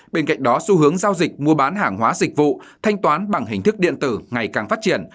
bên cạnh đó xu hướng giao dịch mua bán hàng hóa dịch vụ thanh toán bằng hình thức điện tử ngày càng phát triển